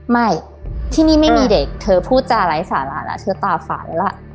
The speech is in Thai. ไม่ที่นี่ไม่มีเด็กเธอพูดจาไร้สาระแล้วเธอตาฝันล่ะ